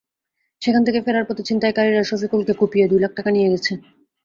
সেখান থেকে ফেরার পথে ছিনতাইকারীরা শফিকুলকে কুপিয়ে দুই লাখ টাকা নিয়ে গেছে।